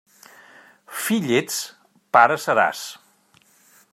Fill ets, pare seràs.